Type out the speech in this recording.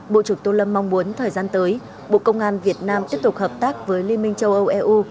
bộ trưởng tô lâm mong muốn thời gian tới bộ công an việt nam tiếp tục hợp tác với liên minh châu âu eu